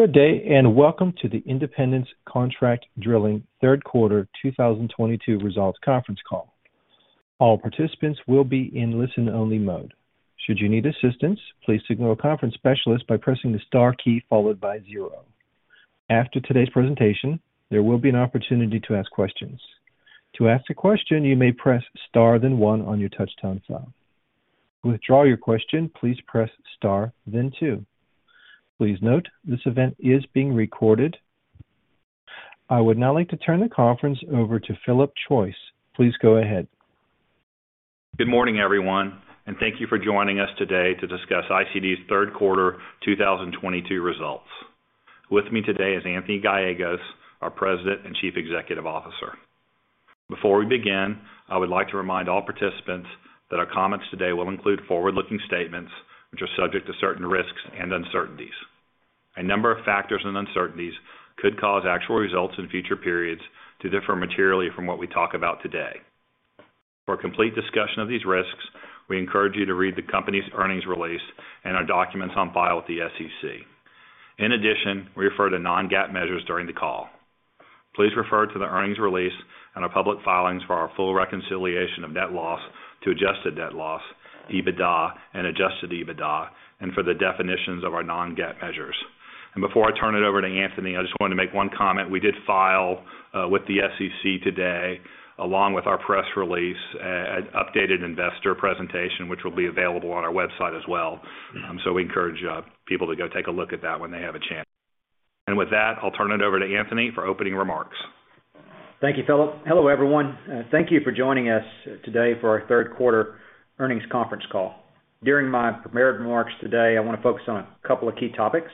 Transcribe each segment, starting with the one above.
Good day, and welcome to the Independence Contract Drilling third quarter 2022 results conference call. All participants will be in listen-only mode. Should you need assistance, please signal a conference specialist by pressing the star key followed by zero. After today's presentation, there will be an opportunity to ask questions. To ask a question, you may press star then one on your touch-tone phone. To withdraw your question, please press star then two. Please note, this event is being recorded. I would now like to turn the conference over to Philip Choyce. Please go ahead. Good morning, everyone, and thank you for joining us today to discuss ICD's third quarter 2022 results. With me today is Anthony Gallegos, our President and Chief Executive Officer. Before we begin, I would like to remind all participants that our comments today will include forward-looking statements which are subject to certain risks and uncertainties. A number of factors and uncertainties could cause actual results in future periods to differ materially from what we talk about today. For a complete discussion of these risks, we encourage you to read the company's earnings release and our documents on file with the SEC. In addition, we refer to non-GAAP measures during the call. Please refer to the earnings release and our public filings for our full reconciliation of net loss to adjusted net loss, EBITDA and adjusted EBITDA, and for the definitions of our non-GAAP measures. Before I turn it over to Anthony, I just wanted to make one comment. We did file with the SEC today, along with our press release, an updated investor presentation, which will be available on our website as well. We encourage people to go take a look at that when they have a chance. With that, I'll turn it over to Anthony for opening remarks. Thank you, Philip. Hello, everyone. Thank you for joining us today for our third quarter earnings conference call. During my prepared remarks today, I wanna focus on a couple of key topics.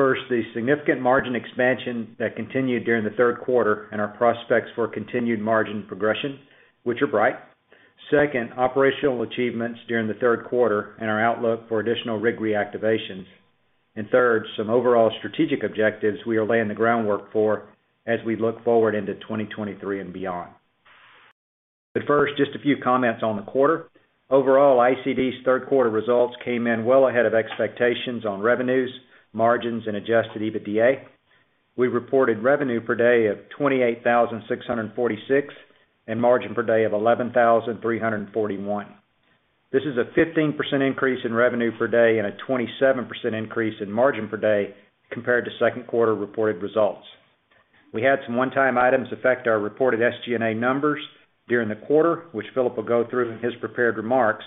First, the significant margin expansion that continued during the third quarter and our prospects for continued margin progression, which are bright. Second, operational achievements during the third quarter and our outlook for additional rig reactivations. Third, some overall strategic objectives we are laying the groundwork for as we look forward into 2023 and beyond. First, just a few comments on the quarter. Overall, ICD's third quarter results came in well ahead of expectations on revenues, margins, and adjusted EBITDA. We reported revenue per day of $28,646 and margin per day of $11,341. This is a 15% increase in revenue per day and a 27% increase in margin per day compared to second quarter reported results. We had some one-time items affect our reported SG&A numbers during the quarter, which Philip will go through in his prepared remarks.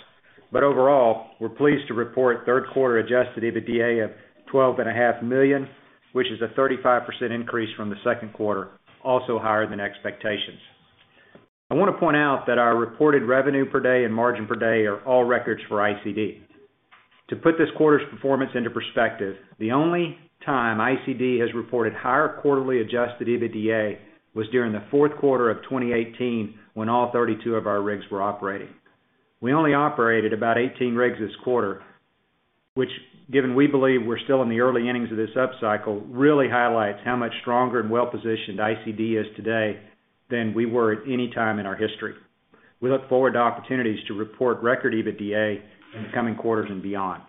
Overall, we're pleased to report third quarter adjusted EBITDA of $12.5 million, which is a 35% increase from the second quarter, also higher than expectations. I wanna point out that our reported revenue per day and margin per day are all records for ICD. To put this quarter's performance into perspective, the only time ICD has reported higher quarterly adjusted EBITDA was during the fourth quarter of 2018 when all 32 of our rigs were operating. We only operated about 18 rigs this quarter, which given we believe we're still in the early innings of this upcycle, really highlights how much stronger and well-positioned ICD is today than we were at any time in our history. We look forward to opportunities to report record EBITDA in the coming quarters and beyond.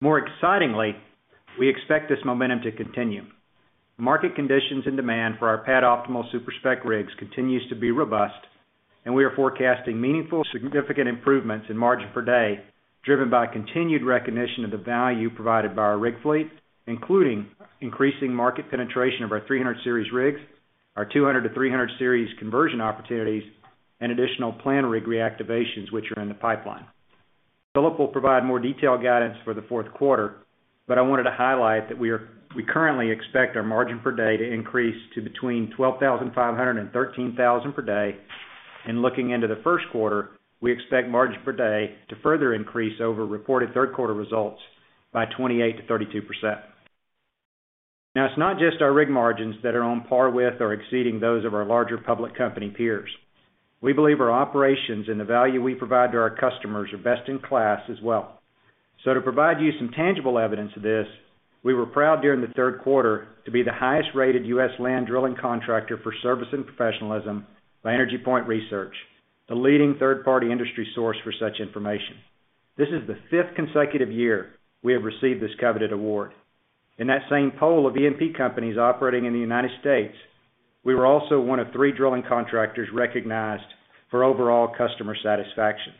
More excitingly, we expect this momentum to continue. Market conditions and demand for our pad-optimal super-spec rigs continues to be robust, and we are forecasting meaningful, significant improvements in margin per day, driven by continued recognition of the value provided by our rig fleet, including increasing market penetration of our 300-Series rigs, our 200-Series to 300-Series conversion opportunities, and additional planned rig reactivations which are in the pipeline. Philip will provide more detailed guidance for the fourth quarter, but I wanted to highlight that we currently expect our margin per day to increase to between $12,500 and $13,000 per day. Looking into the first quarter, we expect margin per day to further increase over reported third quarter results by 28%-32%. Now, it's not just our rig margins that are on par with or exceeding those of our larger public company peers. We believe our operations and the value we provide to our customers are best-in-class as well. To provide you some tangible evidence of this, we were proud during the third quarter to be the highest-rated U.S. land drilling contractor for service and professionalism by EnergyPoint Research, the leading third-party industry source for such information. This is the fifth consecutive year we have received this coveted award. In that same poll of E&P companies operating in the United States, we were also one of three drilling contractors recognized for overall customer satisfaction.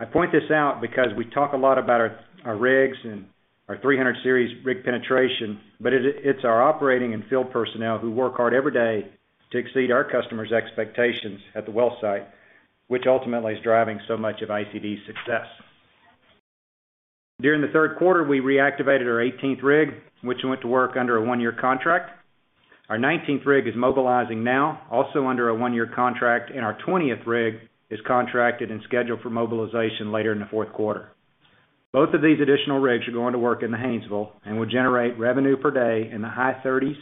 I point this out because we talk a lot about our rigs and our 300-Series rig penetration, but it's our operating and field personnel who work hard every day to exceed our customers' expectations at the well site, which ultimately is driving so much of ICD's success. During the third quarter, we reactivated our eighteenth rig, which went to work under a one-year contract. Our nineteenth rig is mobilizing now, also under a one-year contract, and our twentieth rig is contracted and scheduled for mobilization later in the fourth quarter. Both of these additional rigs are going to work in the Haynesville and will generate revenue per day in the high 30s,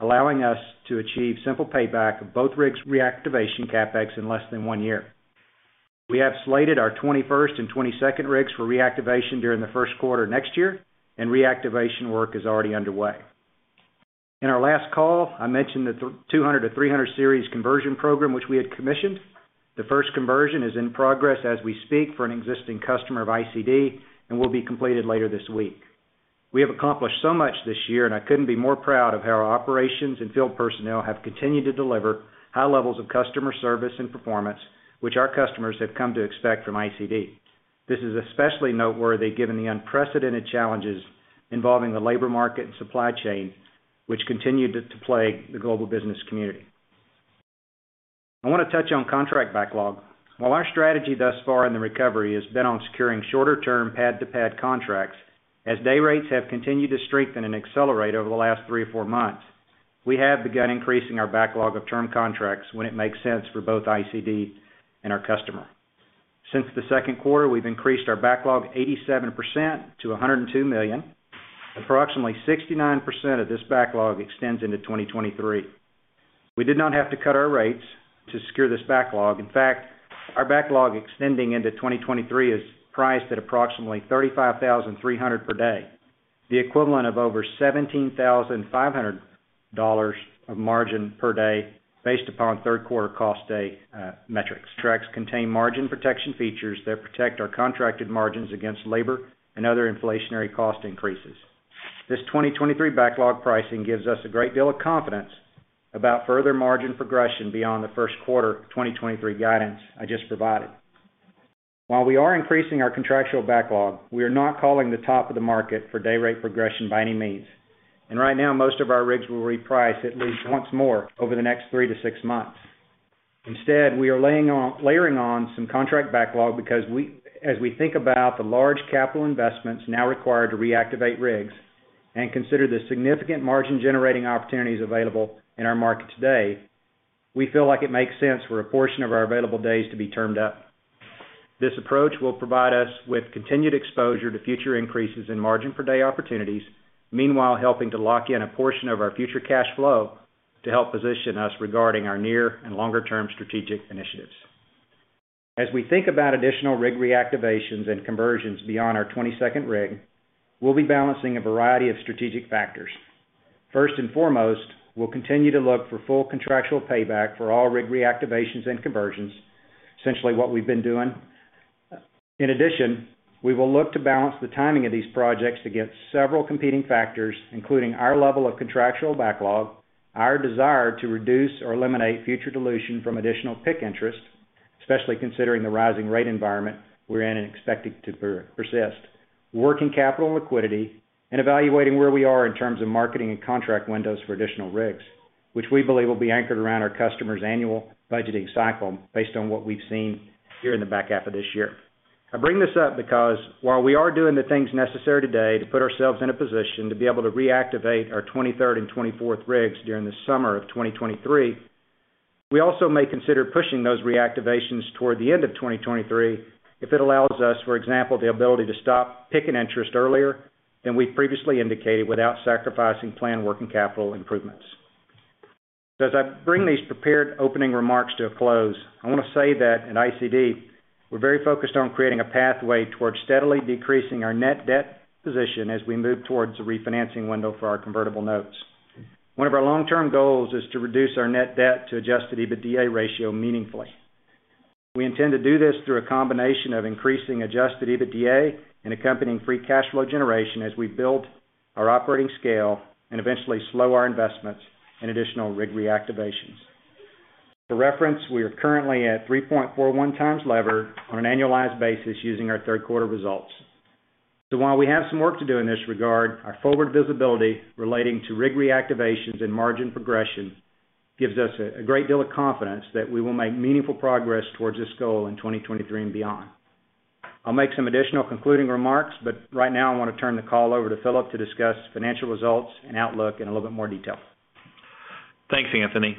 allowing us to achieve simple payback of both rigs' reactivation CapEx in less than one year. We have slated our 21st and 22nd rigs for reactivation during the first quarter next year, and reactivation work is already underway. In our last call, I mentioned the 200- to 300-Series conversion program which we had commissioned. The first conversion is in progress as we speak for an existing customer of ICD and will be completed later this week. We have accomplished so much this year, and I couldn't be more proud of how our operations and field personnel have continued to deliver high levels of customer service and performance, which our customers have come to expect from ICD. This is especially noteworthy given the unprecedented challenges involving the labor market and supply chain, which continued to plague the global business community. I wanna touch on contract backlog. While our strategy thus far in the recovery has been on securing shorter-term pad to pad contracts, as day rates have continued to strengthen and accelerate over the last three or four months, we have begun increasing our backlog of term contracts when it makes sense for both ICD and our customer. Since the second quarter, we've increased our backlog 87% to $102 million. Approximately 69% of this backlog extends into 2023. We did not have to cut our rates to secure this backlog. In fact, our backlog extending into 2023 is priced at approximately $35,300 per day, the equivalent of over $17,500 of margin per day based upon third quarter cost per day metrics. Contracts contain margin protection features that protect our contracted margins against labor and other inflationary cost increases. This 2023 backlog pricing gives us a great deal of confidence about further margin progression beyond the first quarter of 2023 guidance I just provided. While we are increasing our contractual backlog, we are not calling the top of the market for day rate progression by any means, and right now, most of our rigs will reprice at least once more over the next three to six months. Instead, we are layering on some contract backlog because as we think about the large capital investments now required to reactivate rigs and consider the significant margin generating opportunities available in our market today, we feel like it makes sense for a portion of our available days to be termed up. This approach will provide us with continued exposure to future increases in margin per day opportunities, meanwhile helping to lock in a portion of our future cash flow to help position us regarding our near and longer term strategic initiatives. As we think about additional rig reactivations and conversions beyond our 22nd rig, we'll be balancing a variety of strategic factors. First and foremost, we'll continue to look for full contractual payback for all rig reactivations and conversions, essentially what we've been doing. In addition, we will look to balance the timing of these projects against several competing factors, including our level of contractual backlog, our desire to reduce or eliminate future dilution from additional PIK interest, especially considering the rising rate environment we're in and expecting to persist, working capital liquidity, and evaluating where we are in terms of marketing and contract windows for additional rigs, which we believe will be anchored around our customers' annual budgeting cycle based on what we've seen here in the back half of this year. I bring this up because while we are doing the things necessary today to put ourselves in a position to be able to reactivate our 23rd and 24th rigs during the summer of 2023, we also may consider pushing those reactivations toward the end of 2023 if it allows us, for example, the ability to stop paying interest earlier than we previously indicated without sacrificing planned working capital improvements. As I bring these prepared opening remarks to a close, I wanna say that at ICD, we're very focused on creating a pathway towards steadily decreasing our net debt position as we move towards the refinancing window for our convertible notes. One of our long-term goals is to reduce our net debt to adjusted EBITDA ratio meaningfully. We intend to do this through a combination of increasing adjusted EBITDA and accompanying free cash flow generation as we build our operating scale and eventually slow our investments in additional rig reactivations. For reference, we are currently at 3.41 times leverage on an annualized basis using our third quarter results. While we have some work to do in this regard, our forward visibility relating to rig reactivations and margin progression gives us a great deal of confidence that we will make meaningful progress towards this goal in 2023 and beyond. I'll make some additional concluding remarks, but right now I wanna turn the call over to Philip to discuss financial results and outlook in a little bit more detail. Thanks, Anthony.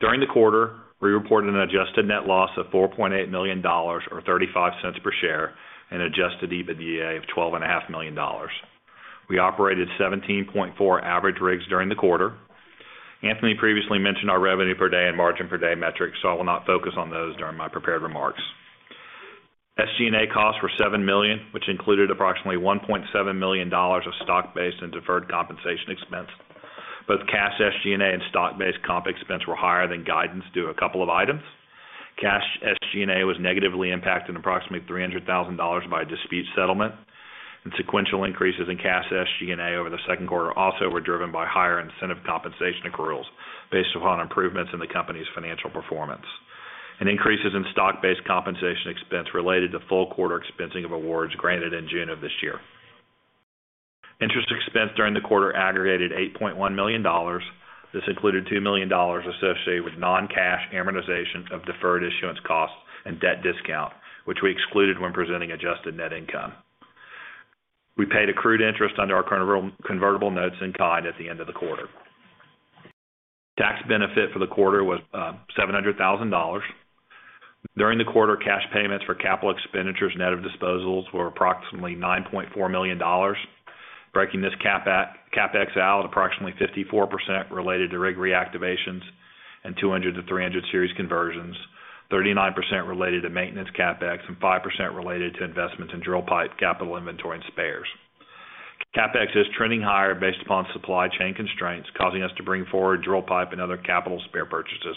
During the quarter, we reported an adjusted net loss of $4.8 million or $0.35 per share and adjusted EBITDA of $12.5 million. We operated 17.4 average rigs during the quarter. Anthony previously mentioned our revenue per day and margin per day metrics, so I will not focus on those during my prepared remarks. SG&A costs were $7 million, which included approximately $1.7 million of stock-based and deferred compensation expense. Both cash SG&A and stock-based comp expense were higher than guidance due to a couple of items. Cash SG&A was negatively impacted approximately $300,000 by a dispute settlement, and sequential increases in cash SG&A over the second quarter also were driven by higher incentive compensation accruals based upon improvements in the company's financial performance. Increases in stock-based compensation expense related to full quarter expensing of awards granted in June of this year. Interest expense during the quarter aggregated $8.1 million. This included $2 million associated with non-cash amortization of deferred issuance costs and debt discount, which we excluded when presenting adjusted net income. We paid accrued interest under our current convertible notes in kind at the end of the quarter. Tax benefit for the quarter was $700,000. During the quarter, cash payments for capital expenditures net of disposals were approximately $9.4 million, breaking this CapEx out approximately 54% related to rig reactivations and 200- to 300-Series conversions, 39% related to maintenance CapEx, and 5% related to investments in drill pipe, capital inventory, and spares. CapEx is trending higher based upon supply chain constraints, causing us to bring forward drill pipe and other capital spare purchases,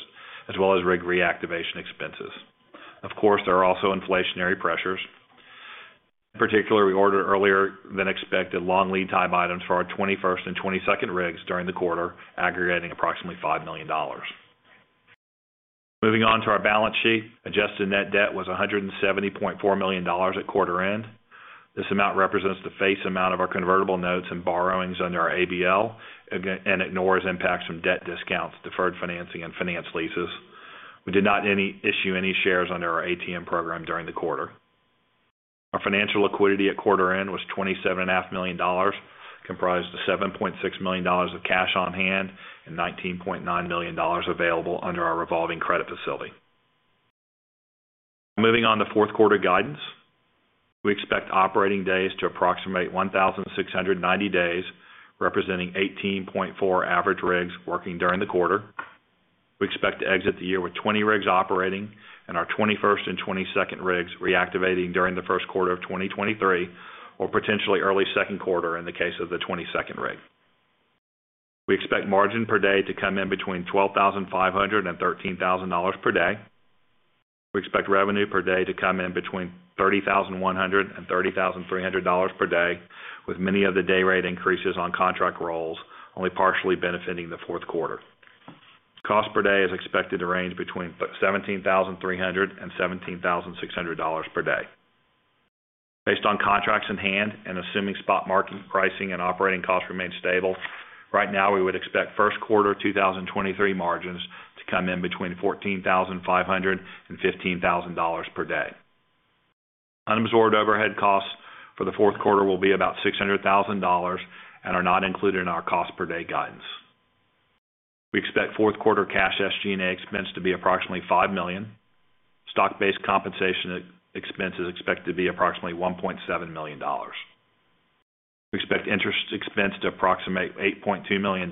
as well as rig reactivation expenses. Of course, there are also inflationary pressures. In particular, we ordered earlier than expected long lead time items for our 21st and 22nd rigs during the quarter, aggregating approximately $5 million. Moving on to our balance sheet. Adjusted net debt was $170.4 million at quarter end. This amount represents the face amount of our convertible notes and borrowings under our ABL and ignores impacts from debt discounts, deferred financing, and finance leases. We did not issue any shares under our ATM program during the quarter. Our financial liquidity at quarter end was $27 and a half million, comprised of $7.6 million of cash on hand and $19.9 million available under our revolving credit facility. Moving on to fourth quarter guidance. We expect operating days to approximate 1,690 days, representing 18.4 average rigs working during the quarter. We expect to exit the year with 20 rigs operating and our 21st and 22nd rigs reactivating during the first quarter of 2023 or potentially early second quarter in the case of the 22nd rig. We expect margin per day to come in between $12,500 and $13,000 per day. We expect revenue per day to come in between $30,100 and $30,300 per day, with many of the day rate increases on contract rolls, only partially benefiting the fourth quarter. Cost per day is expected to range between $17,300 and $17,600 per day. Based on contracts in hand and assuming spot market pricing and operating costs remain stable, right now we would expect first quarter 2023 margins to come in between $14,500 and $15,000 per day. Unabsorbed overhead costs for the fourth quarter will be about $600,000 and are not included in our cost per day guidance. We expect fourth quarter cash SG&A expense to be approximately $5 million. Stock-based compensation expense is expected to be approximately $1.7 million. We expect interest expense to approximate $8.2 million.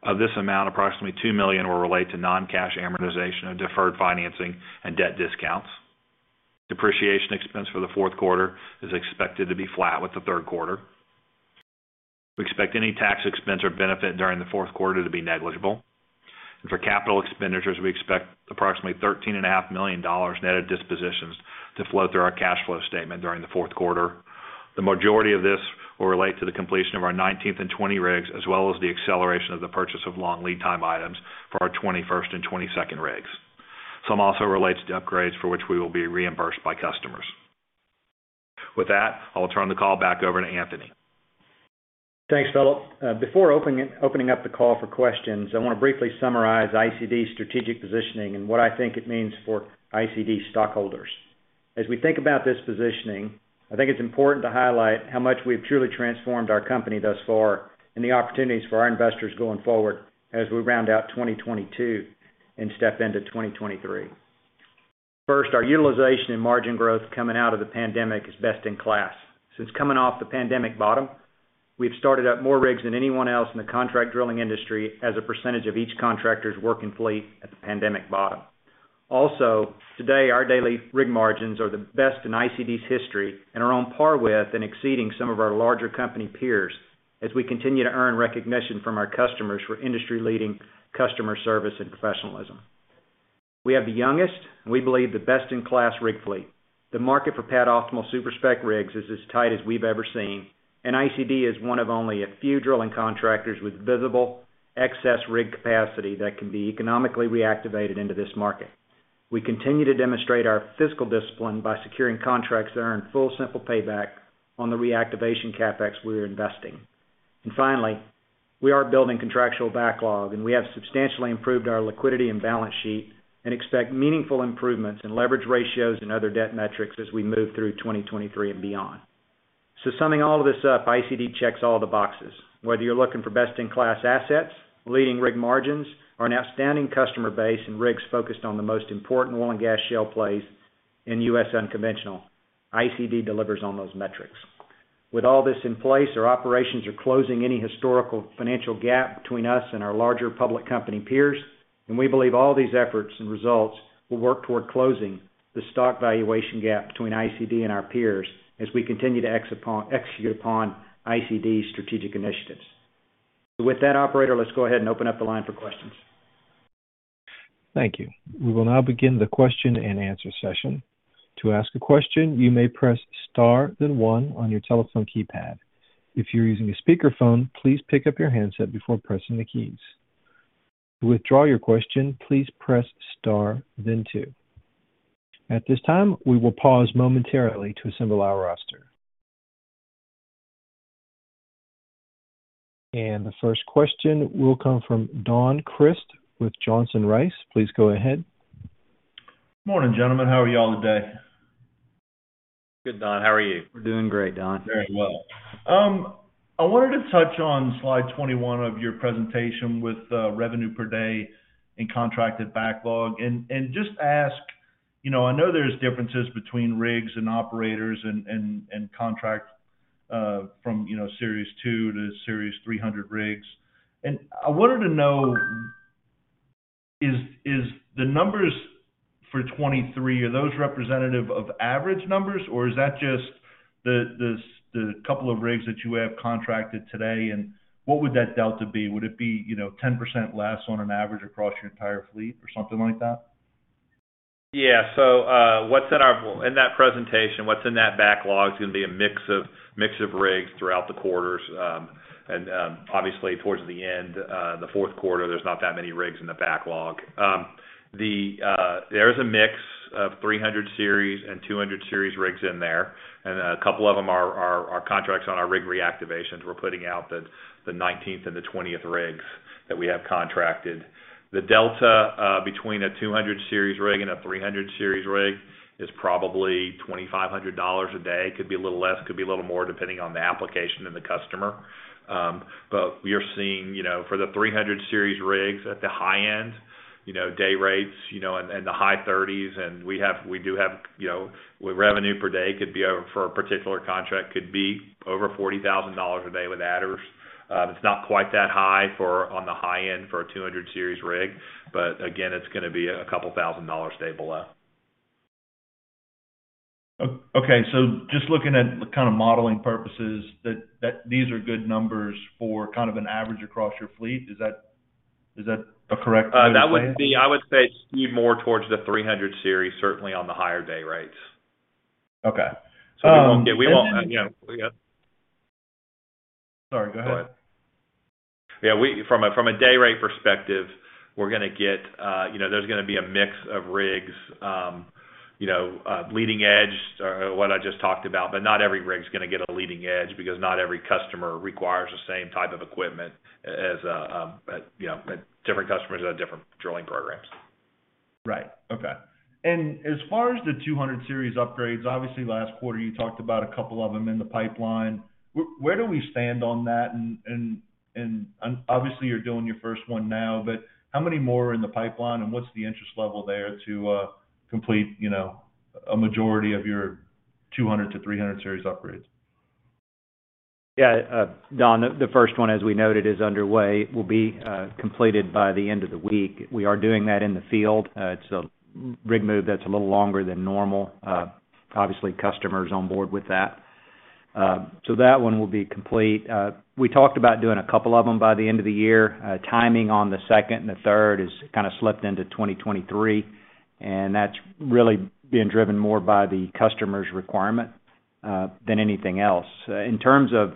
Of this amount, approximately $2 million will relate to non-cash amortization of deferred financing and debt discounts. Depreciation expense for the fourth quarter is expected to be flat with the third quarter. We expect any tax expense or benefit during the fourth quarter to be negligible. For capital expenditures, we expect approximately $13.5 million net of dispositions to flow through our cash flow statement during the fourth quarter. The majority of this will relate to the completion of our 19th and 20th rigs, as well as the acceleration of the purchase of long lead time items for our 21st and 22nd rigs. Some also relates to upgrades for which we will be reimbursed by customers. With that, I'll turn the call back over to Anthony. Thanks, Philip. Before opening up the call for questions, I wanna briefly summarize ICD's strategic positioning and what I think it means for ICD stockholders. As we think about this positioning, I think it's important to highlight how much we've truly transformed our company thus far and the opportunities for our investors going forward as we round out 2022 and step into 2023. First, our utilization and margin growth coming out of the pandemic is best in class. Since coming off the pandemic bottom, we've started up more rigs than anyone else in the contract drilling industry as a percentage of each contractor's working fleet at the pandemic bottom. Also, today, our daily rig margins are the best in ICD's history and are on par with and exceeding some of our larger company peers as we continue to earn recognition from our customers for industry-leading customer service and professionalism. We have the youngest, and we believe the best-in-class rig fleet. The market for pad-optimal super-spec rigs is as tight as we've ever seen, and ICD is one of only a few drilling contractors with visible excess rig capacity that can be economically reactivated into this market. We continue to demonstrate our fiscal discipline by securing contracts that earn full simple payback on the reactivation CapEx we are investing. Finally, we are building contractual backlog, and we have substantially improved our liquidity and balance sheet and expect meaningful improvements in leverage ratios and other debt metrics as we move through 2023 and beyond. Summing all of this up, ICD checks all the boxes. Whether you're looking for best in class assets, leading rig margins, or an outstanding customer base and rigs focused on the most important oil and gas shale plays in U.S. unconventional, ICD delivers on those metrics. With all this in place, our operations are closing any historical financial gap between us and our larger public company peers, and we believe all these efforts and results will work toward closing the stock valuation gap between ICD and our peers as we continue to execute upon ICD's strategic initiatives. With that, operator, let's go ahead and open up the line for questions. Thank you. We will now begin the question and answer session. To ask a question, you may press star then one on your telephone keypad. If you're using a speakerphone, please pick up your handset before pressing the keys. To withdraw your question, please press star then two. At this time, we will pause momentarily to assemble our roster. The first question will come from Don Crist with Johnson Rice & Company. Please go ahead. Morning, gentlemen. How are y'all today? Good, Don. How are you? We're doing great, Don. Very well. I wanted to touch on slide 21 of your presentation with revenue per day and contracted backlog and just ask. You know, I know there's differences between rigs and operators and contract from Series 2 to Series 300 rigs. I wanted to know, is the numbers for 2023 representative of average numbers or is that just the couple of rigs that you have contracted today? What would that delta be? Would it be 10% less on an average across your entire fleet or something like that? Yeah. What's in that presentation, what's in that backlog is gonna be a mix of rigs throughout the quarters. Obviously, towards the end, the fourth quarter, there's not that many rigs in the backlog. There's a mix of 300-Series and 200-Series rigs in there, and a couple of them are contracts on our rig reactivations. We're putting out the 19th and the 20th rigs that we have contracted. The delta between a 200-Series rig and a 300-Series rig is probably $2,500 a day. Could be a little less, could be a little more, depending on the application and the customer. We are seeing, you know, for the 300-Series rigs at the high end, you know, day rates, you know, in the high 30s, and we do have, you know, for a particular contract, revenue per day could be over $40,000 a day with adders. It's not quite that high on the high end for a 200-Series rig. Again, it's gonna be a couple thousand dollars a day below. Okay. Just looking at the kind of modeling purposes that these are good numbers for kind of an average across your fleet. Is that a correct way to say it? I would say skewed more towards the 300-Series, certainly on the higher day rates. Okay. We won't, you know, we got. Sorry, go ahead. Go ahead. Yeah, from a day rate perspective, we're gonna get, you know, there's gonna be a mix of rigs, you know, leading edge, what I just talked about, but not every rig's gonna get a leading edge because not every customer requires the same type of equipment as, you know, different customers have different drilling programs. Right. Okay. As far as the 200-Series upgrades, obviously last quarter you talked about a couple of them in the pipeline. Where do we stand on that? Obviously, you're doing your first one now, but how many more are in the pipeline, and what's the interest level there to complete, you know, a majority of your 200- to 300-Series upgrades? Yeah. Don, the first one, as we noted, is underway, will be completed by the end of the week. We are doing that in the field. It's a rig move that's a little longer than normal. Obviously, customer's on board with that. So that one will be complete. We talked about doing a couple of them by the end of the year. Timing on the second and the third has kinda slipped into 2023, and that's really being driven more by the customer's requirement than anything else. In terms of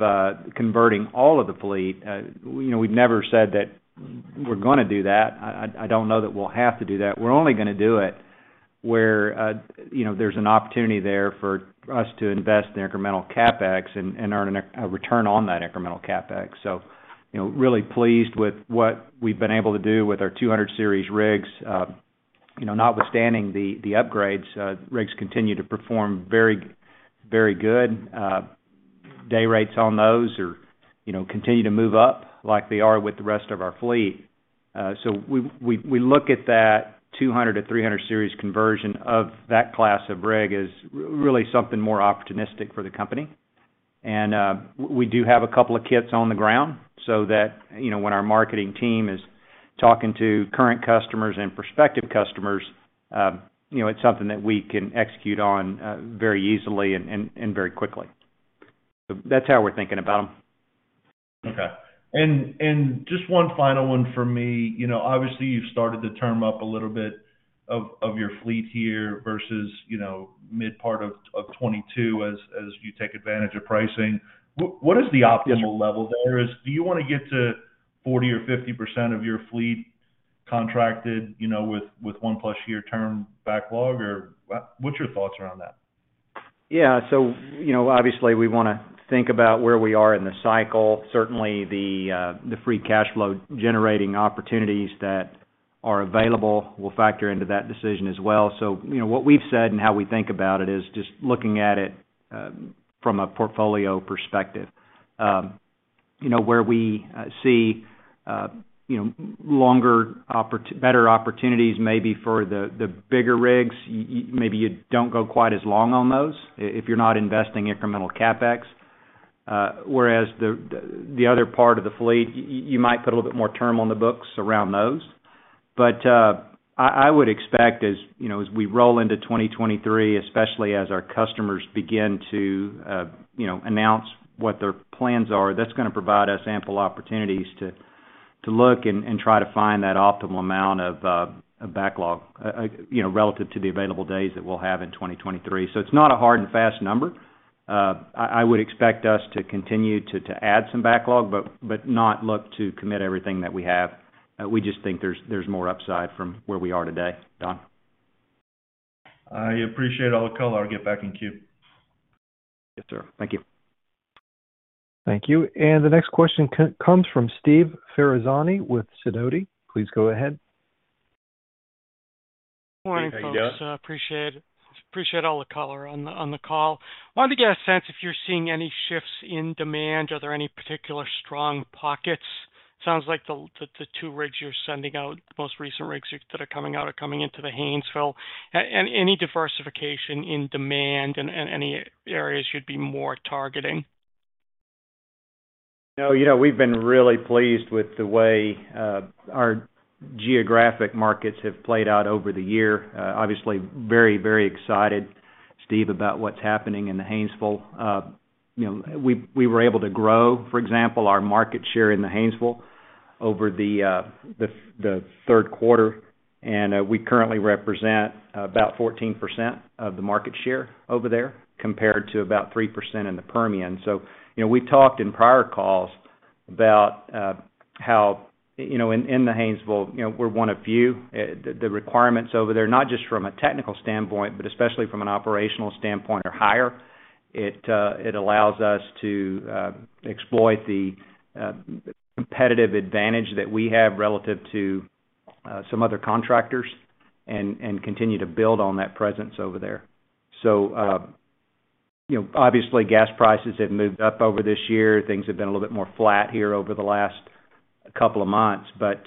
converting all of the fleet, you know, we've never said that we're gonna do that. I don't know that we'll have to do that. We're only gonna do it where, you know, there's an opportunity there for us to invest in incremental CapEx and earn a return on that incremental CapEx. You know, really pleased with what we've been able to do with our 200-Series rigs. You know, notwithstanding the upgrades, rigs continue to perform very, very good. Day rates on those are, you know, continue to move up like they are with the rest of our fleet. We look at that 200- to 300-Series conversion of that class of rig as really something more opportunistic for the company. We do have a couple of kits on the ground so that, you know, when our marketing team is talking to current customers and prospective customers, you know, it's something that we can execute on, very easily and very quickly. That's how we're thinking about them. Just one final one for me. You know, obviously, you've started to term up a little bit of your fleet here versus, you know, mid part of 2022 as you take advantage of pricing. What is the optimal level there? Do you wanna get to 40% or 50% of your fleet contracted, you know, with 1+ year term backlog, or what's your thoughts around that? Yeah, you know, obviously, we wanna think about where we are in the cycle. Certainly, the free cash flow generating opportunities that are available will factor into that decision as well. You know, what we've said and how we think about it is just looking at it from a portfolio perspective. You know, where we see better opportunities maybe for the bigger rigs, maybe you don't go quite as long on those if you're not investing incremental CapEx. Whereas the other part of the fleet, you might put a little bit more term on the books around those. I would expect as, you know, as we roll into 2023, especially as our customers begin to, you know, announce what their plans are, that's gonna provide us ample opportunities to look and try to find that optimal amount of backlog, you know, relative to the available days that we'll have in 2023. It's not a hard and fast number. I would expect us to continue to add some backlog, but not look to commit everything that we have. We just think there's more upside from where we are today, Don. I appreciate all the color. I'll get back in queue. Yes, sir. Thank you. Thank you. The next question comes from Steve Ferazani with Sidoti & Company. Please go ahead. Morning, folks. How you doing? Appreciate all the color on the call. Wanted to get a sense if you're seeing any shifts in demand. Are there any particular strong pockets? Sounds like the two rigs you're sending out, the most recent rigs that are coming out are coming into the Haynesville. Any diversification in demand and any areas you'd be more targeting? No, you know, we've been really pleased with the way our geographic markets have played out over the year. Obviously very, very excited, Steve, about what's happening in the Haynesville. You know, we were able to grow, for example, our market share in the Haynesville over the third quarter, and we currently represent about 14% of the market share over there compared to about 3% in the Permian. You know, we've talked in prior calls about how, you know, in the Haynesville, you know, we're one of few. The requirements over there, not just from a technical standpoint, but especially from an operational standpoint are higher. It allows us to exploit the competitive advantage that we have relative to some other contractors and continue to build on that presence over there. You know, obviously, gas prices have moved up over this year. Things have been a little bit more flat here over the last couple of months, but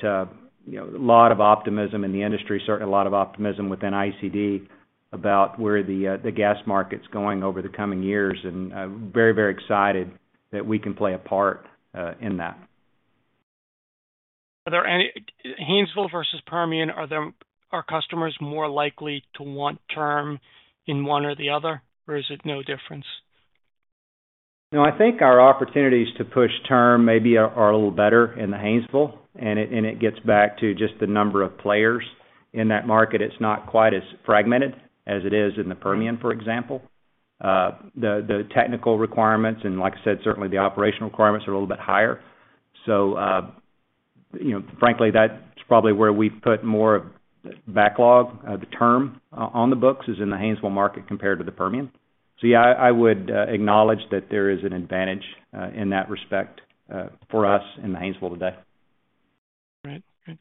you know, a lot of optimism in the industry, certainly a lot of optimism within ICD about where the gas market's going over the coming years, and I'm very, very excited that we can play a part in that. Haynesville versus Permian, are customers more likely to want term in one or the other, or is it no difference? No, I think our opportunities to push term maybe are a little better in the Haynesville, and it gets back to just the number of players in that market. It's not quite as fragmented as it is in the Permian, for example. The technical requirements and like I said, certainly the operational requirements are a little bit higher. You know, frankly, that's probably where we put more backlog of the term on the books, is in the Haynesville market compared to the Permian. Yeah, I would acknowledge that there is an advantage in that respect for us in the Haynesville today. Right. Good.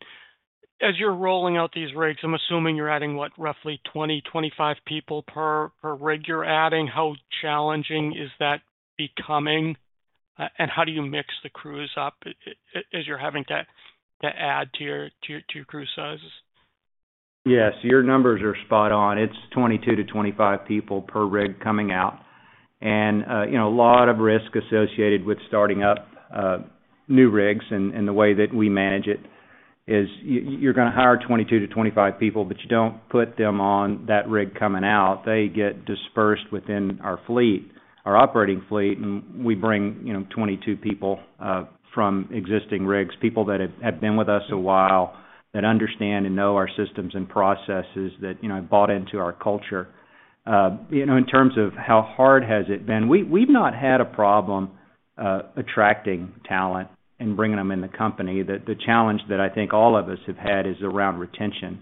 As you're rolling out these rigs, I'm assuming you're adding, what, roughly 20, 25 people per rig you're adding. How challenging is that becoming, and how do you mix the crews up as you're having to add to your crew sizes? Yes, your numbers are spot on. It's 22-25 people per rig coming out. You know, a lot of risk associated with starting up new rigs. The way that we manage it is you're gonna hire 22-25 people, but you don't put them on that rig coming out. They get dispersed within our fleet, our operating fleet, and we bring, you know, 22 people from existing rigs, people that have been with us a while, that understand and know our systems and processes, that, you know, have bought into our culture. You know, in terms of how hard has it been, we've not had a problem attracting talent and bringing them in the company. The challenge that I think all of us have had is around retention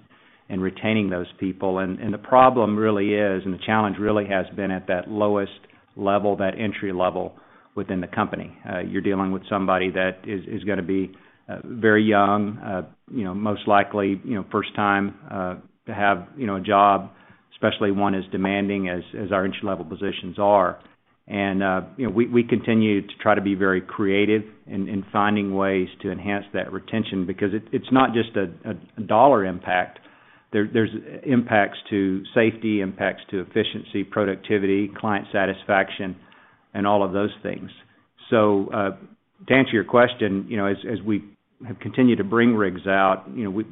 and retaining those people. The problem really is, and the challenge really has been at that lowest level, that entry level within the company. You're dealing with somebody that is gonna be very young, you know, most likely, you know, first time to have, you know, a job, especially one as demanding as our entry-level positions are. You know, we continue to try to be very creative in finding ways to enhance that retention because it's not just a dollar impact. There's impacts to safety, impacts to efficiency, productivity, client satisfaction, and all of those things. To answer your question, you know, as we have continued to bring rigs out, you know,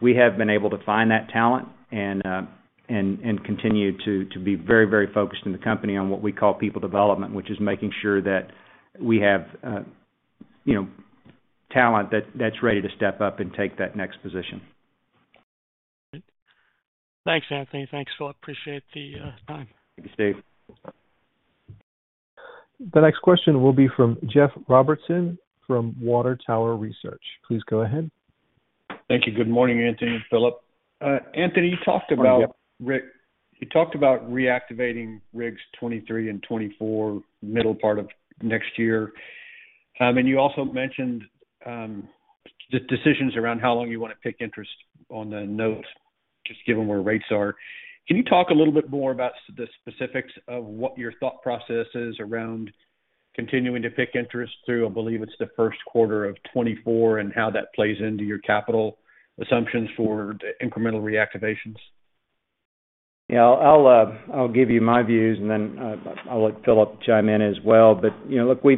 we have been able to find that talent and continue to be very focused in the company on what we call people development, which is making sure that we have, you know, talent that's ready to step up and take that next position. Thanks, Anthony. Thanks, Philip. Appreciate the time. Thank you, Steve. The next question will be from Jeff Robertson from Water Tower Research. Please go ahead. Thank you. Good morning, Anthony and Philip. Anthony, you talked about. Morning, Jeff. You talked about reactivating rigs 23 and 24 middle part of next year. You also mentioned the decisions around how long you want to PIK interest on the note, just given where rates are. Can you talk a little bit more about the specifics of what your thought process is around continuing to PIK interest through, I believe it's the first quarter of 2024, and how that plays into your capital assumptions for the incremental reactivations? Yeah. I'll give you my views, and then I'll let Philip chime in as well. You know, look, we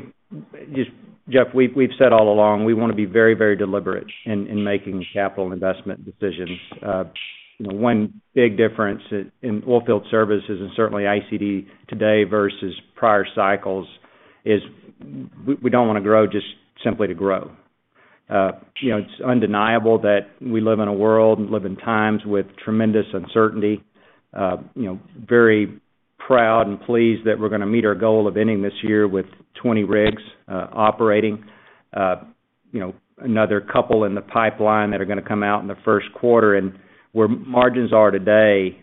just, Jeff, we've said all along, we wanna be very, very deliberate in making capital investment decisions. You know, one big difference in oil field services and certainly ICD today versus prior cycles is we don't wanna grow just simply to grow. You know, it's undeniable that we live in a world and live in times with tremendous uncertainty. You know, very proud and pleased that we're gonna meet our goal of ending this year with 20 rigs operating. You know, another couple in the pipeline that are gonna come out in the first quarter. Where margins are today,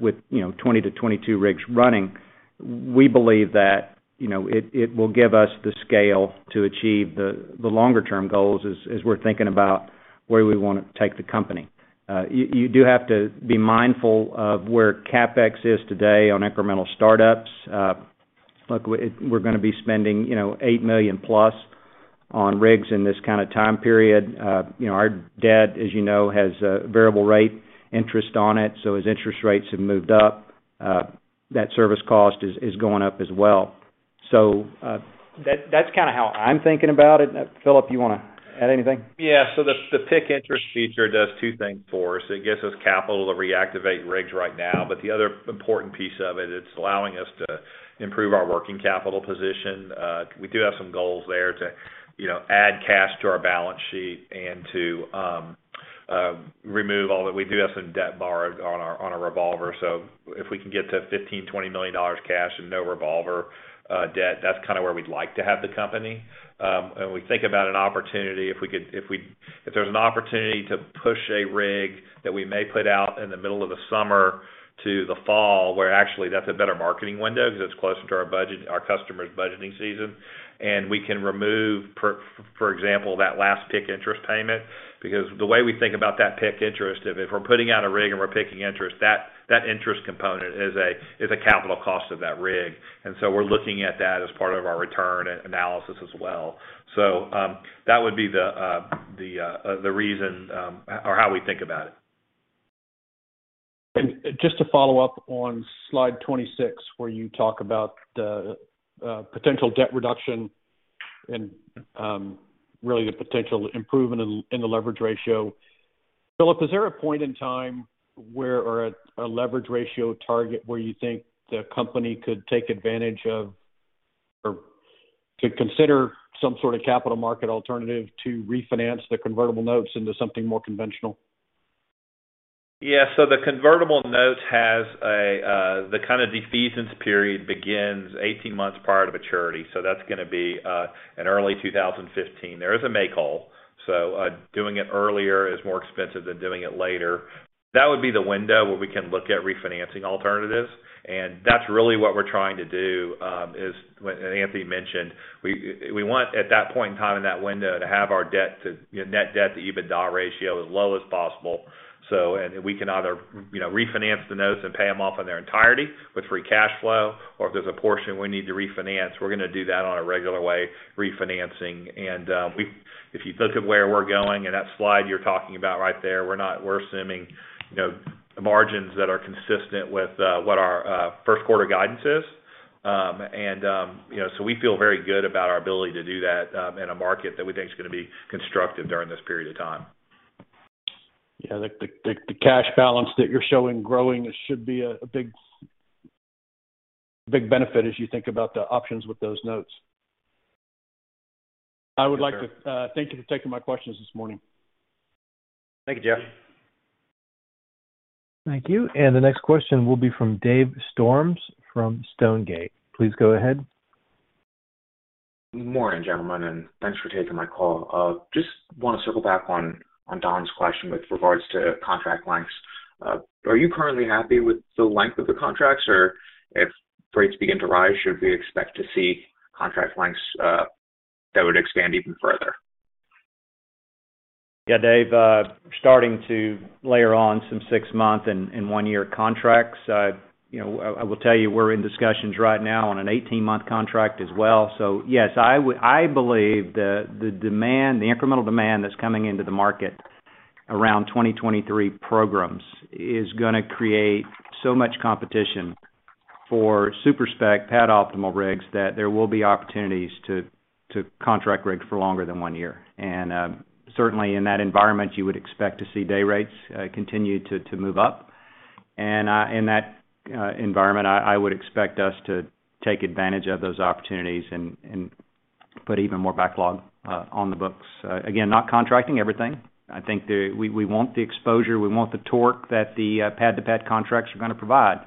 with, you know, 20-22 rigs running, we believe that, you know, it will give us the scale to achieve the longer term goals as we're thinking about where we wanna take the company. You do have to be mindful of where CapEx is today on incremental startups. Look, we're gonna be spending, you know, $8 million+ on rigs in this kind of time period. You know, our debt, as you know, has a variable rate interest on it. As interest rates have moved up, that service cost is going up as well. That's kinda how I'm thinking about it. Philip, you wanna add anything? Yeah. The PIK interest feature does two things for us. It gives us capital to reactivate rigs right now, but the other important piece of it's allowing us to improve our working capital position. We do have some goals there to, you know, add cash to our balance sheet and to remove all that. We do have some debt borrowed on our revolver. If we can get to $15-$20 million cash and no revolver debt, that's kind of where we'd like to have the company. We think about an opportunity, if there's an opportunity to push a rig that we may put out in the middle of the summer to the fall, where actually that's a better marketing window 'cause it's closer to our budget, our customers' budgeting season, and we can remove, for example, that last PIK interest payment. Because the way we think about that PIK interest, if we're putting out a rig and we're PIKing interest, that interest component is a capital cost of that rig. We're looking at that as part of our return analysis as well. That would be the reason, or how we think about it. Just to follow up on slide 26, where you talk about the potential debt reduction and really the potential improvement in the leverage ratio. Philip, is there a point in time where or a leverage ratio target where you think the company could take advantage of or could consider some sort of capital market alternative to refinance the convertible notes into something more conventional? Yeah. The convertible note has a defeasance period begins 18 months prior to maturity, so that's gonna be in early 2015. There is a make whole, so doing it earlier is more expensive than doing it later. That would be the window where we can look at refinancing alternatives, and that's really what we're trying to do, and Anthony mentioned, we want, at that point in time in that window, to have our net debt to EBITDA ratio as low as possible. We can either refinance the notes and pay them off in their entirety with free cash flow, or if there's a portion we need to refinance, we're gonna do that on a regular way, refinancing. If you look at where we're going in that slide you're talking about right there, we're assuming, you know, margins that are consistent with what our first quarter guidance is. You know, so we feel very good about our ability to do that in a market that we think is gonna be constructive during this period of time. Yeah. The cash balance that you're showing growing should be a big benefit as you think about the options with those notes. Sure. I would like to thank you for taking my questions this morning. Thank you, Jeff. Thank you. The next question will be from Dave Storms from Stonegate. Please go ahead. Morning, gentlemen, and thanks for taking my call. Just wanna circle back on Don's question with regards to contract lengths. Are you currently happy with the length of the contracts, or if rates begin to rise, should we expect to see contract lengths that would expand even further? Yeah, Dave, starting to layer on some six-month and 1-year contracts. You know, I will tell you, we're in discussions right now on an 18-month contract as well. Yes, I believe the demand, the incremental demand that's coming into the market around 2023 programs is gonna create so much competition for super-spec pad-optimal rigs that there will be opportunities to contract rigs for longer than one year. Certainly in that environment, you would expect to see day rates continue to move up. In that environment, I would expect us to take advantage of those opportunities and put even more backlog on the books. Again, not contracting everything. I think we want the exposure, we want the torque that the pad-to-pad contracts are gonna provide.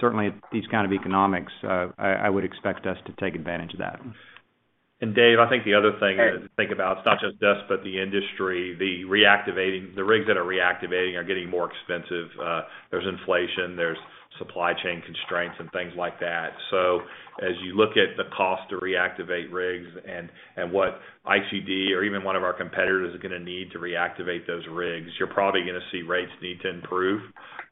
Certainly these kind of economics, I would expect us to take advantage of that. Dave, I think the other thing to think about, it's not just us, but the industry, the rigs that are reactivating are getting more expensive. There's inflation, there's supply chain constraints and things like that. As you look at the cost to reactivate rigs and what ICD or even one of our competitors is gonna need to reactivate those rigs, you're probably gonna see rates need to improve,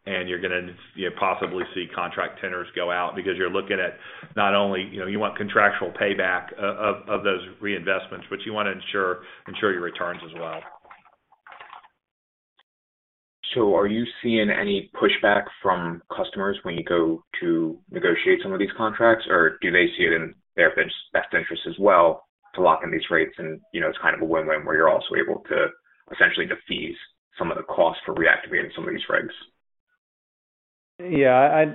and you're gonna, you know, possibly see contract tenors go out because you're looking at not only, you know, you want contractual payback of those reinvestments, but you wanna ensure your returns as well. Are you seeing any pushback from customers when you go to negotiate some of these contracts, or do they see it in their best interest as well to lock in these rates and, you know, it's kind of a win-win where you're also able to essentially defease some of the cost for reactivating some of these rigs? Yeah.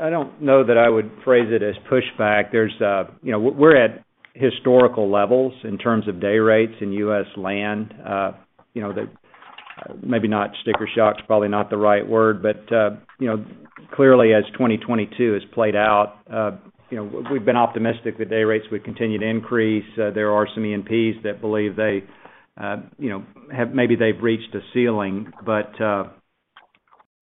I don't know that I would phrase it as pushback. There's a. You know, we're at historical levels in terms of day rates in U.S. land. You know, maybe not sticker shock is probably not the right word, but, you know, clearly as 2022 has played out, you know, we've been optimistic that day rates would continue to increase. There are some E&Ps that believe they, you know, have maybe they've reached a ceiling.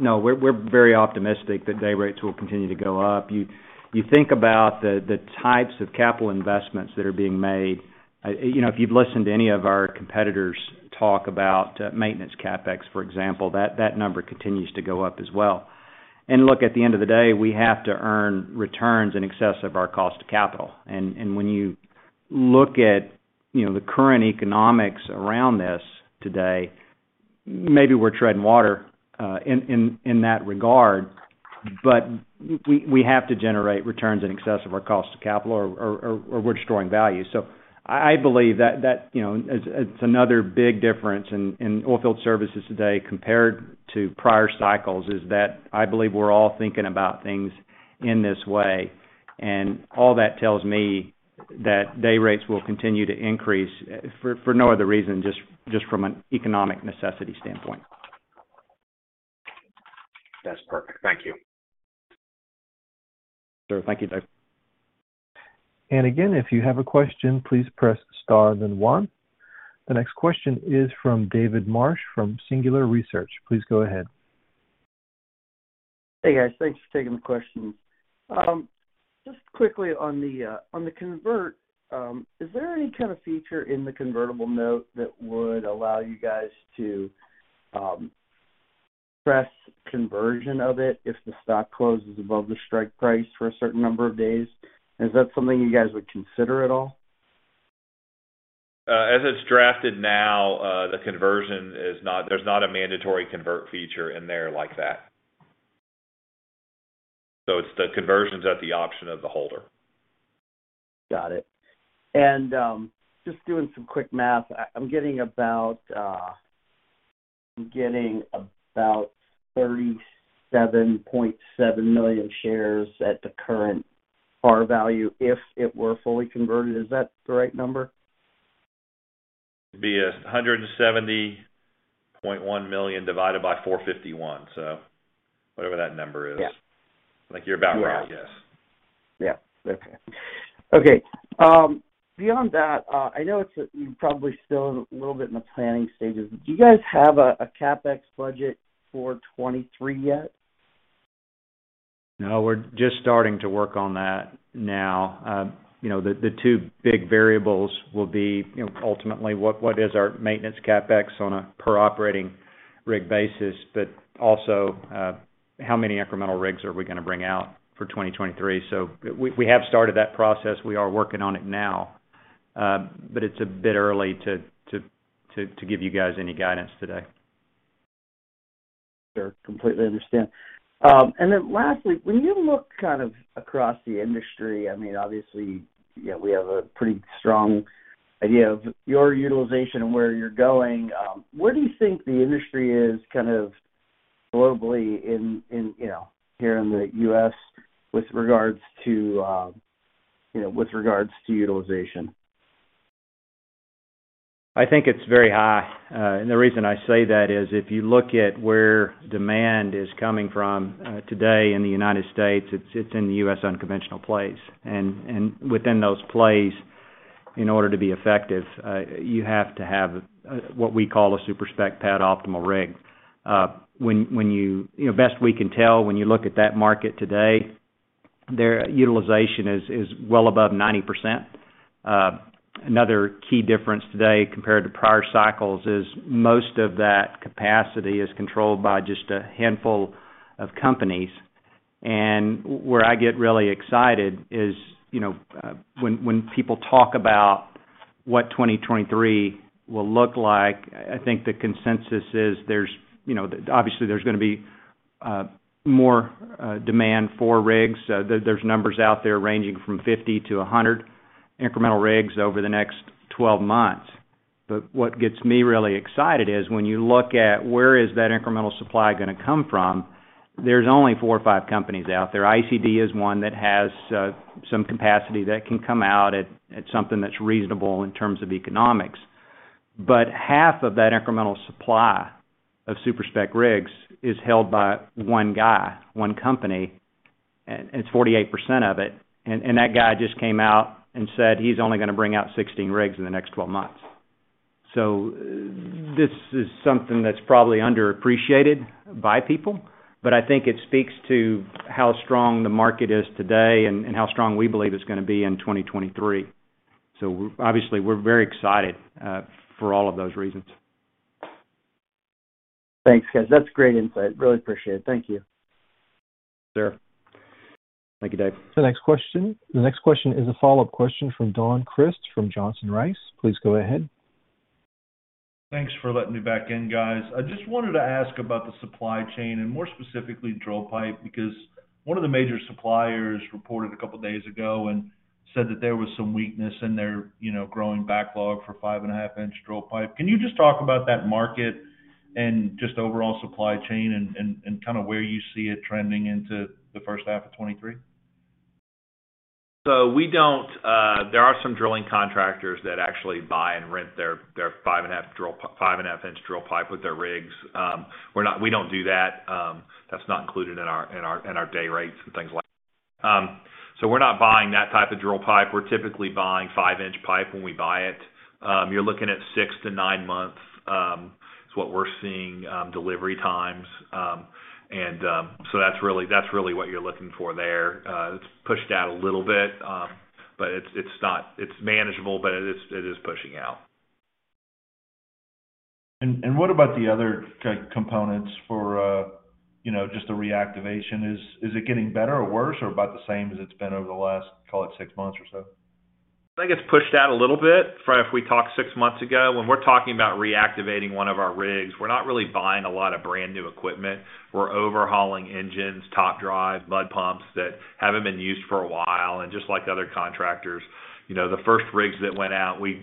No, we're very optimistic that day rates will continue to go up. You think about the types of capital investments that are being made. You know, if you've listened to any of our competitors talk about maintenance CapEx, for example, that number continues to go up as well. Look, at the end of the day, we have to earn returns in excess of our cost of capital. When you look at, you know, the current economics around this today, maybe we're treading water in that regard, but we have to generate returns in excess of our cost of capital or we're destroying value. I believe that you know, it's another big difference in oilfield services today compared to prior cycles, is that I believe we're all thinking about things in this way. All that tells me that day rates will continue to increase for no other reason, just from an economic necessity standpoint. That's perfect. Thank you. Sure. Thank you, Dave. Again, if you have a question, please press star, then one. The next question is from David Marsh from Singular Research. Please go ahead. Hey, guys. Thanks for taking the question. Just quickly on the convertible note, is there any kind of feature in the convertible note that would allow you guys to force conversion of it if the stock closes above the strike price for a certain number of days? Is that something you guys would consider at all? As it's drafted now, there's not a mandatory convert feature in there like that. It's the conversions at the option of the holder. Got it. Just doing some quick math, I'm getting about 37.7 million shares at the current par value if it were fully converted. Is that the right number? It'd be $170.1 million divided by 451. Whatever that number is. Yeah. I think you're about right. Yeah. Yes. Yeah. Okay. Beyond that, I know it's probably still a little bit in the planning stages. Do you guys have a CapEx budget for 2023 yet? No, we're just starting to work on that now. You know, the two big variables will be, you know, ultimately what is our maintenance CapEx on a per operating rig basis, but also, how many incremental rigs are we gonna bring out for 2023. We have started that process. We are working on it now. It's a bit early to give you guys any guidance today. Sure. Completely understand. Then lastly, when you look kind of across the industry, I mean, obviously, you know, we have a pretty strong idea of your utilization and where you're going, where do you think the industry is kind of globally in you know here in the U.S. with regards to you know with regards to utilization? I think it's very high. The reason I say that is if you look at where demand is coming from, today in the United States, it's in the US unconventional plays. Within those plays, in order to be effective, you have to have what we call a super-spec pad-optimal rig. You know, best we can tell, when you look at that market today, their utilization is well above 90%. Another key difference today compared to prior cycles is most of that capacity is controlled by just a handful of companies. Where I get really excited is, you know, when people talk about what 2023 will look like, I think the consensus is there's, you know, obviously, there's gonna be more demand for rigs. There's numbers out there ranging from 50-100 incremental rigs over the next 12 months. What gets me really excited is when you look at where is that incremental supply gonna come from, there's only four or fove companies out there. ICD is one that has some capacity that can come out at something that's reasonable in terms of economics. Half of that incremental supply of super-spec rigs is held by one guy, one company, and it's 48% of it. That guy just came out and said he's only gonna bring out 16 rigs in the next 12 months. This is something that's probably underappreciated by people, but I think it speaks to how strong the market is today and how strong we believe it's gonna be in 2023. Obviously, we're very excited for all of those reasons. Thanks, guys. That's great insight. Really appreciate it. Thank you. Sure. Thank you, Dave. The next question is a follow-up question from Don Crist from Johnson Rice. Please go ahead. Thanks for letting me back in, guys. I just wanted to ask about the supply chain and more specifically drill pipe, because one of the major suppliers reported a couple of days ago and said that there was some weakness in their, you know, growing backlog for five-and-a-half-inch drill pipe. Can you just talk about that market and just overall supply chain and kind of where you see it trending into the first half of 2023? There are some drilling contractors that actually buy and rent their 5 1/2-inch drill pipe with their rigs. We don't do that. That's not included in our day rates and things like. We're not buying that type of drill pipe. We're typically buying 5-inch pipe when we buy it. You're looking at six-nine months is what we're seeing delivery times. That's really what you're looking for there. It's pushed out a little bit, but it's manageable, but it is pushing out. What about the other key components for, you know, just the reactivation? Is it getting better or worse or about the same as it's been over the last, call it six months or so? I think it's pushed out a little bit from if we talked six months ago. When we're talking about reactivating one of our rigs, we're not really buying a lot of brand-new equipment. We're overhauling engines, top drive, mud pumps that haven't been used for a while. Just like the other contractors, you know, the first rigs that went out, we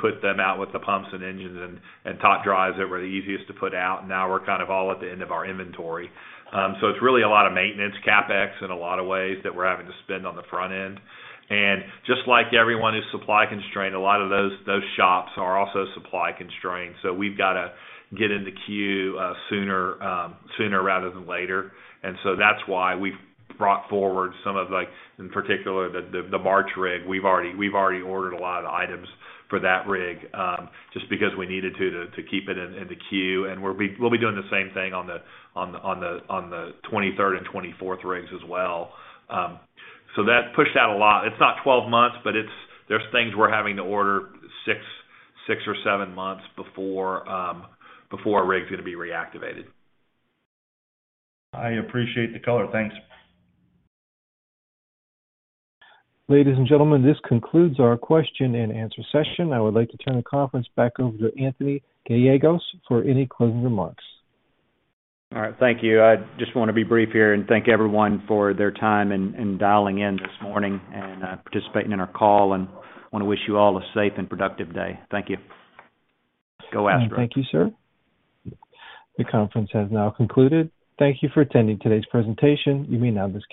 put them out with the pumps and engines and top drives that were the easiest to put out. Now we're kind of all at the end of our inventory. So it's really a lot of maintenance CapEx in a lot of ways that we're having to spend on the front end. Just like everyone is supply constrained, a lot of those shops are also supply constrained, so we've gotta get in the queue sooner rather than later. That's why we've brought forward some of the in particular, the March rig. We've already ordered a lot of items for that rig just because we needed to keep it in the queue. We'll be doing the same thing on the 23rd and 24th rigs as well. That pushed out a lot. It's not 12 months, but it's there's things we're having to order six or seven months before a rig's gonna be reactivated. I appreciate the color. Thanks. Ladies and gentlemen, this concludes our question and answer session. I would like to turn the conference back over to Anthony Gallegos for any closing remarks. All right. Thank you. I just wanna be brief here and thank everyone for their time and dialing in this morning and participating in our call and wanna wish you all a safe and productive day. Thank you. Go Astros. Thank you, sir. The conference has now concluded. Thank you for attending today's presentation. You may now disconnect.